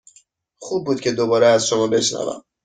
خوب بود که دوباره از شما بشنوم.